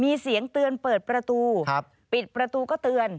มีเสียงเตือนเปิดประตูปิดประตูก็เตือน